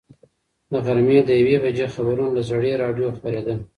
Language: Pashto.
د غرمې د یوې بجې خبرونه له زړې راډیو خپرېدل.